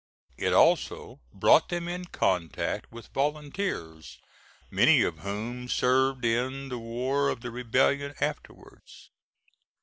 It also brought them in contact with volunteers, many of whom served in the war of the rebellion afterwards.